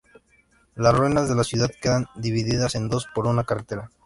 Las ruinas de la ciudad quedan divididas en dos por una carretera.